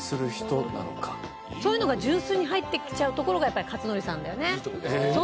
そういうのが純粋に入ってきちゃうところがやっぱり克典さんだよね。